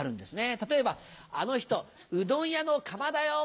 例えば「あの人うどん屋の釜だよ」。